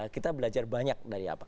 kita belajar banyak dari apa